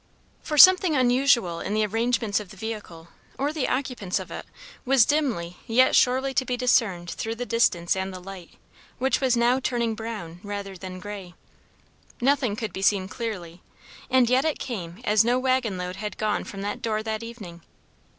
For something unusual in the arrangements of the vehicle, or the occupants of it, was dimly yet surely to be discerned through the distance and the light, which was now turning brown rather than grey. Nothing could be seen clearly, and yet it came as no waggon load had gone from that door that evening.